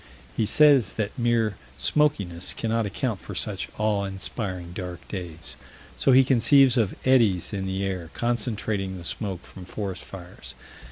He says that mere smokiness cannot account for such "awe inspiring dark days." So he conceives of eddies in the air, concentrating the smoke from forest fires.